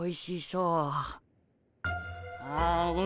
うん？